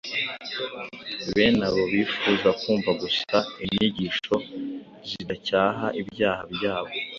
Bene abo bifuza kumva gusa inyigisho zidacyaha ibyaha byabo